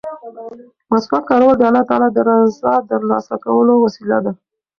مسواک کارول د الله تعالی د رضا د ترلاسه کولو وسیله ده.